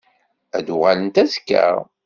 Ad d-uɣalent azekka?